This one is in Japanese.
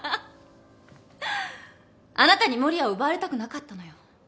あなたに守谷を奪われたくなかったのよ。